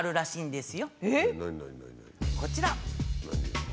こちら！